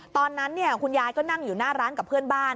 ตอนนั้นคุณยายก็นั่งอยู่หน้าร้านกับเพื่อนบ้าน